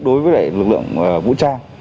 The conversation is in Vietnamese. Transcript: đối với lực lượng vũ trang